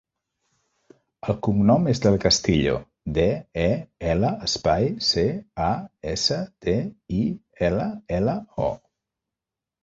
El cognom és Del Castillo: de, e, ela, espai, ce, a, essa, te, i, ela, ela, o.